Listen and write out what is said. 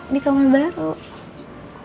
di kamar baru